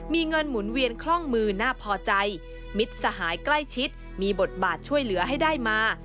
มีเงินหมุนเวียนคล่องมือน่าพอใจมิตรสหายใกล้ชิดมีบทบาทช่วยเหลือให้ได้มา